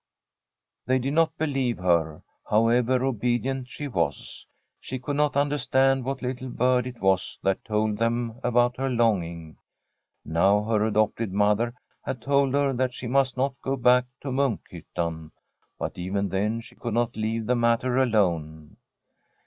They did not believe her, however obedient she was. She could not understand what little From a SfTEDISH HOMESTEAD bird it was that told them about her longing. Now her adopted mother had told her that she must not go back to Munkhyttan. But even then she could not leave the matter alone.